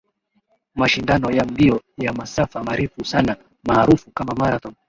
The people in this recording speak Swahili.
Mashindano ya mbio ya masafa marefu sana maarufu kama Marathon